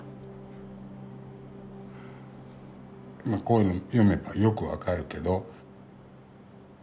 こういうの読めばよく分かるけど。